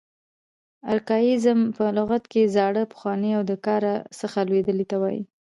ارکاییزم په لغت کښي زاړه، پخواني او د کاره څخه لوېدلي ته وایي.